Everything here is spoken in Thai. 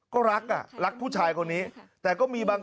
ก็รักรักผู้ชายคนนี้